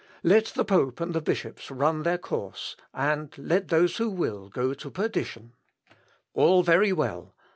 Let the pope and the bishops run their course, and let those who will, go to perdition; all very well!